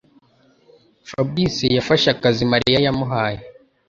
fabrice yafashe akazi Mariya yamuhaye.